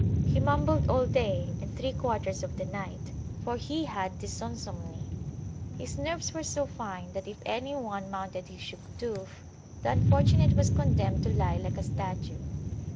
He mumbled all day and three quarters of the night, for he had des insomnies. His nerves were so fine, that if any [p.126] one mounted his Shugduf, the unfortunate was condemned to lie like a statue.